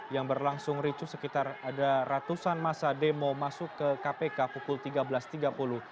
yang berlangsung ricu sekitar ada ratusan masa demo masuk ke kpk pukul tiga belas tiga puluh